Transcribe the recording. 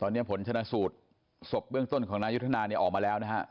ตอนนี้ผลชนะสูตรศพเบื้องต้นของนายุทธนาเนี่ยออกมาแล้วนะฮะ